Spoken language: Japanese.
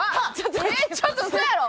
ちょっと嘘やろ？